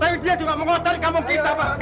tapi dia juga mengotori kampung kita pak